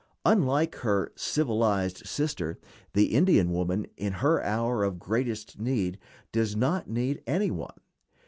Unlike her civilized sister, the Indian woman, "in her hour of greatest need," does not need any one.